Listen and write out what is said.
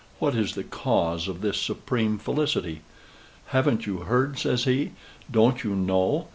"What is the cause of this supreme felicity?" "Haven't you heard?" says he. "Don't you know?